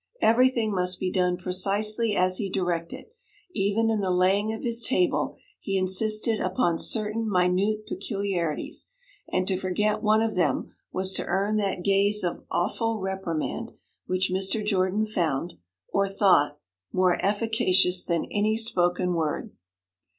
Everything must be done precisely as he directed; even in the laying of his table he insisted upon certain minute peculiarities, and to forget one of them was to earn that gaze of awful reprimand which Mr. Jordan found (or thought) more efficacious than any spoken word.